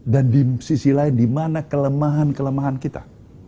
dan di sisi lain dimana kelemahan kelemahan kita